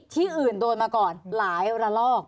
ที่อื่นโดนมาก่อนหลายระลอก